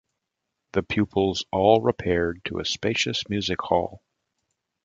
The pupils all repaired to a spacious music-hall.